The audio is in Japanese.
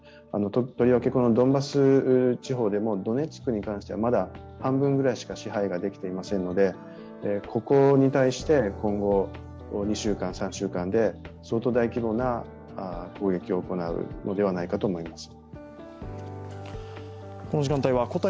とりわけ、ドンバス地方でもドネツクに関してはまだ半分ぐらいしか支配ができていませんのでここに対して、今後２週間、３週間で相当大規模な攻撃を行うのではないかと思います。